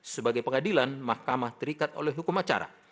sebagai pengadilan mahkamah terikat oleh hukum acara